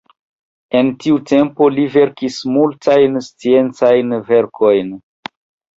En tiu tempo li verkis multajn sciencajn verkojn.